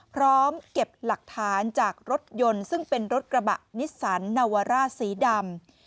พร้อมเก็บหลักฐานจากรถยนต์ซึ่งเป็นรถกระบะนิสสันนาวาร่าสีดำ